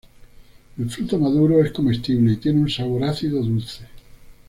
El fruto maduro es comestible y tiene un sabor ácido dulce.